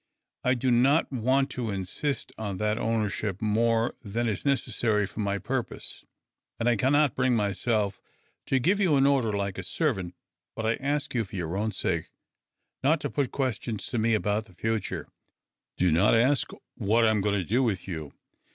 I do not want to insist on that ownership more than is necessary for my purpose, and I cannot bring myself to give you an order like a servant. But I ask you, for your own sake, not to put questions to me about the future. Do not ask me where my yacht will take you. Do not ask what I am going to do with you."